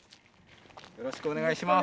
よろしくお願いします。